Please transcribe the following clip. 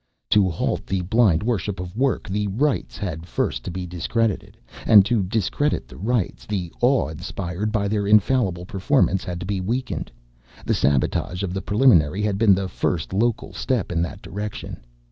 To halt the blind worship of work, the Rites had first to be discredited. And to discredit the Rites, the awe inspired by their infallible performance had to be weakened. The sabotage of the Preliminary had been the first local step in that direction.